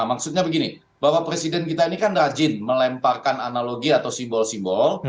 maksudnya begini bahwa presiden kita ini kan rajin melemparkan analogi atau simbol simbol